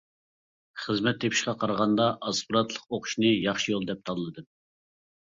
خىزمەت تېپىشقا قارىغاندا ئاسپىرانتلىق ئوقۇشنى ياخشى يول دەپ تاللىدىم.